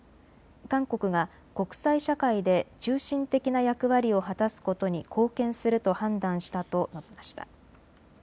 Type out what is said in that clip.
韓国が国際社会で中心的な役割を果たすことに貢献すると判断したと述べました。